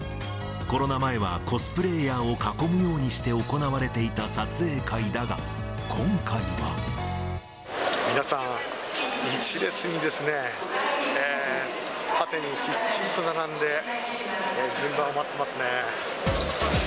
コロナ前はコスプレイヤーを囲むようにして行われていた撮影会だ皆さん、１列にですね、縦にきっちりと並んで、順番を待ってますね。